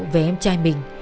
về em trai mình